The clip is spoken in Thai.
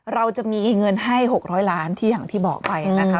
เราจะมีเงินให้๖๐๐ล้านที่อย่างที่บอกไปนะคะ